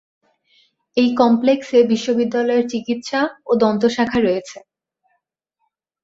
এই কমপ্লেক্সে বিশ্ববিদ্যালয়ের চিকিৎসা ও দন্ত শাখা রয়েছে।